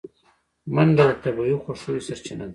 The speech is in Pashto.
منډه د طبیعي خوښیو سرچینه ده